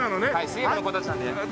水泳部の子たちなので。